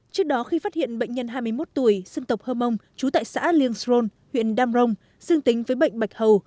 trước đó khi phát hiện bệnh nhân hai mươi một tuổi sinh tộc hơ mông trú tại xã liêng sôn huyện đam rồng xương tính với bệnh bạch hầu